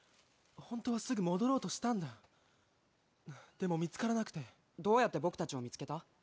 ホントはすぐ戻ろうとしたんだでも見つからなくてどうやって僕達を見つけた？